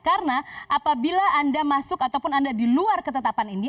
karena apabila anda masuk ataupun anda di luar ketetapan ini